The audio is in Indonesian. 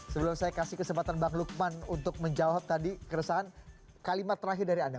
sebelum saya kasih kesempatan bang lukman untuk menjawab tadi keresahan kalimat terakhir dari anda